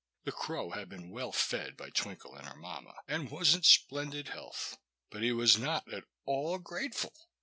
The crow had been well fed by Twinkle and her mamma, and was in splendid health. But he was not at all grateful.